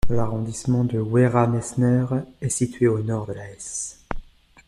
L'arrondissement de Werra-Meissner est situé au nord de la Hesse.